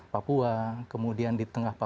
papua kemudian di tengah